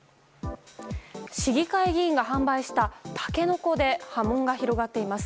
市議会議員が販売したタケノコで波紋が広がっています。